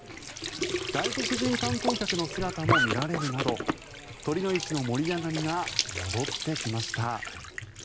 外国人観光客の姿も見られるなど酉の市の盛り上がりが戻ってきました。